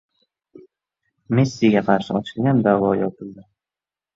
Messiga qarshi ochilgan da’vo yopildi